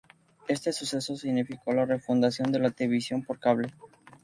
Este suceso significó la re-fundación de la televisión por cable.